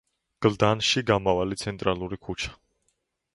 გლდანში გამავალი ცენტრალური ქუჩა.